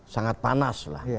sangat panas lah